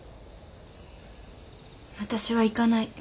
私は行かない。